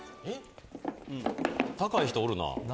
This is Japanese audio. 高い人おるな。